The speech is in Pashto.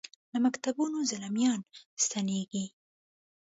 له مکتبونو زلمیا ن ستنیږي